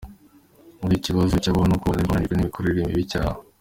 Buriya ikibazo cyabaho ni uko wananirwa unanijwe n’imikorere mibi yawe.